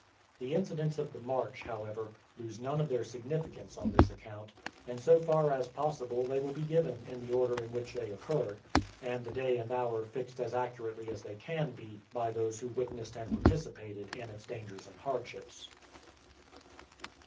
The incidents of the march, however, lose none of their significance on this account, and so far as possible they will be given in the order in which they occurred, and the day and hour fixed as accurately as they can be by those who witnessed and participated in its dangers and hardships.